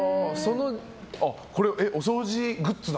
これ、お掃除グッズだ。